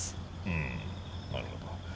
うーんなるほど。